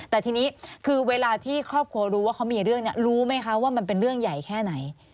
แต่ทีนี้คือเวลาที่ครอบครัวรู้ว่าเขามีเรื่องเนี่ยรู้ไหมคะว่ามันเป็นเรื่องใหญ่แค่ไหน